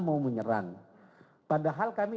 mau menyerang padahal kami